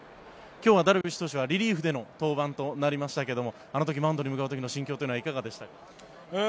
今日はダルビッシュ投手はリリーフでの登板となりましたがあの時マウンドに向かう時の気持ちはいかがでしたか？